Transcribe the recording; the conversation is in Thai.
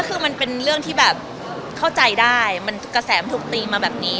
คือมันเป็นเรื่องที่แบบเข้าใจได้มันกระแสมันถูกตีมาแบบนี้